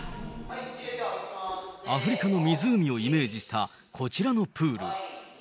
アフリカの湖をイメージしたこちらのプール。